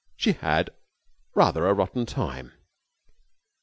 She had rather a rotten time.